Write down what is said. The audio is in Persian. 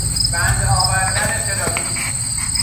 بند آوردن ترافیک